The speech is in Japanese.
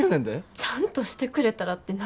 ちゃんとしてくれたらって何？